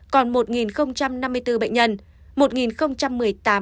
còn một năm mươi bốn bệnh nhân một một mươi tám bệnh nhân